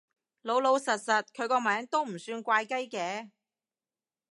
老老實實，佢個名都唔算怪雞嘅